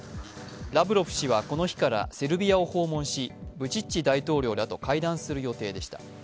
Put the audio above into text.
ラブロフ氏はこの日からセルビアを訪問しブチッチ大統領らと会談する予定でした。